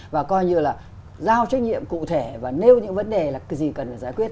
và coi như là giao trách nhiệm cụ thể và nêu những vấn đề là cái gì cần phải giải quyết